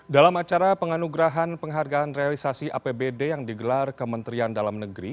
dalam acara penganugerahan penghargaan realisasi apbd yang digelar kementerian dalam negeri